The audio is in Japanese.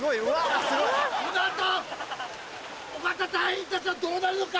尾形隊員たちはどうなるのか！